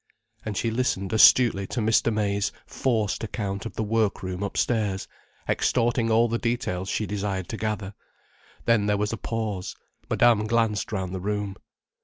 And she listened astutely to Mr. May's forced account of the work room upstairs, extorting all the details she desired to gather. Then there was a pause. Madame glanced round the room.